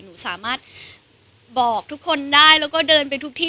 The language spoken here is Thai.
หนูสามารถบอกทุกคนได้แล้วก็เดินไปทุกที่